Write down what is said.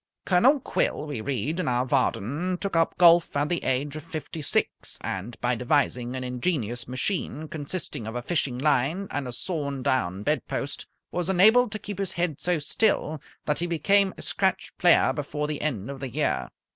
Colonel Quill, we read in our Vardon, took up golf at the age of fifty six, and by devising an ingenious machine consisting of a fishing line and a sawn down bedpost was enabled to keep his head so still that he became a scratch player before the end of the year.